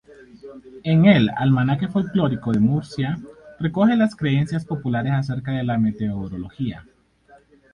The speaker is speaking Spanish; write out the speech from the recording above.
En el "Almanaque folklórico de Murcia" recoge las creencias populares acerca de la meteorología.